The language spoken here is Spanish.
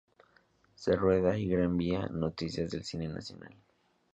Se Rueda y Gran Vía: noticias del cine nacional.